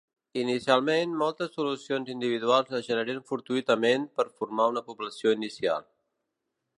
Inicialment, moltes solucions individuals es generen fortuïtament per formar una població inicial.